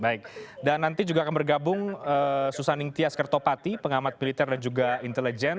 baik dan nanti juga akan bergabung susaning tias kertopati pengamat militer dan juga intelijen